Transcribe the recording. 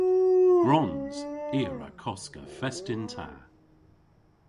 Gwrons! I a wra koska fest yn ta.